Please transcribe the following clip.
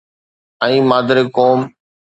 ۽ مادر قوم.